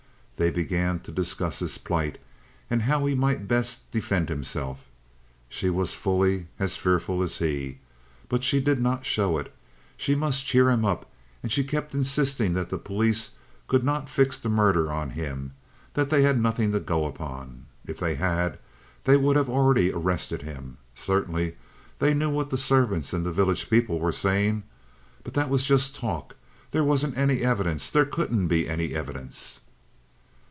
They began to discuss his plight and how he might best defend himself. She was fully as fearful as he. But she did not show it. She must cheer him up, and she kept insisting that the police could not fix the murder on him, that they had nothing to go upon. If they had, they would have already arrested him. Certainly they knew what the servants and the village people were saying. But that was just talk. There wasn't any evidence; there couldn't be any evidence.